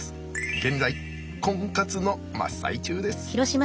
現在コンカツの真っ最中です。